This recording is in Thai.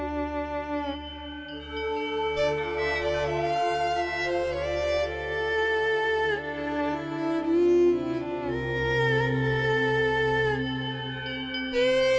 สวัสดีครับ